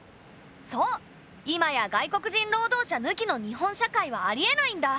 そう今や外国人労働者ぬきの日本社会はありえないんだ。